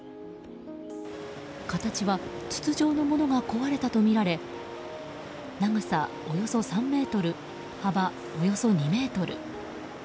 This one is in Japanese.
形は筒状のものが壊れたとみられ長さおよそ３ｍ、幅およそ２ｍ。